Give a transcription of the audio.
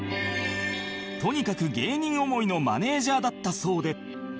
とにかく芸人思いのマネジャーだったそうで